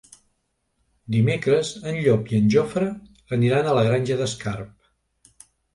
Dimecres en Llop i en Jofre aniran a la Granja d'Escarp.